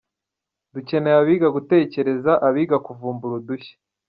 Dukeneye abiga gutekereza, abiga kuvumbura udushya.